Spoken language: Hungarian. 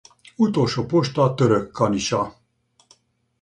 Utolsó posta Török-Kanisa.